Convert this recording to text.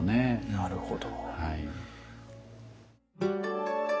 なるほど。